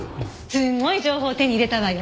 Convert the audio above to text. すごい情報手に入れたわよ。